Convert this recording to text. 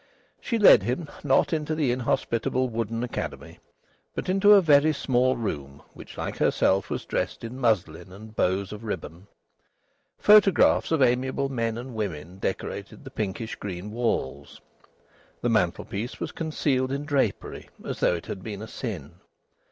She led him, not into the inhospitable wooden academy, but into a very small room which, like herself, was dressed in muslin and bows of ribbon. Photographs of amiable men and women decorated the pinkish green walls. The mantelpiece was concealed in drapery as though it had been a sin.